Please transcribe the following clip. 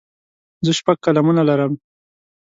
زه شپږ قلمونه لرم.